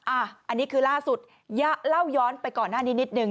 อันนี้คือล่าสุดเล่าย้อนไปก่อนหน้านี้นิดนึ